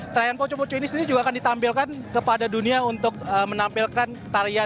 tarian poco poco ini sendiri juga akan ditampilkan kepada dunia untuk menampilkan tarian